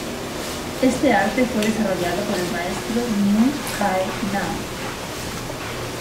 Este arte fue desarrollado por el maestro Myung Jae Nam.